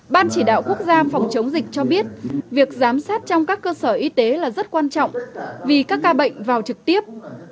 ban chỉ đạo quốc gia phòng chống dịch cho biết việc giám sát trong các cơ sở y tế là rất quan trọng vì các ca bệnh vào trực tiếp